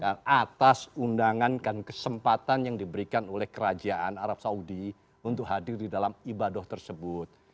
dan atas undangan kan kesempatan yang diberikan oleh kerajaan arab saudi untuk hadir di dalam ibadah tersebut